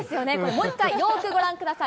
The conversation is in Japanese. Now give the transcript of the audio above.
もう一回、よーくご覧ください。